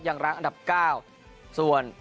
ร้างอันดับ๙ส่วน